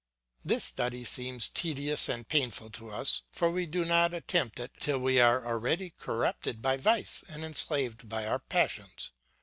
This study seems tedious and painful to us, for we do not attempt it till we are already corrupted by vice and enslaved by our passions.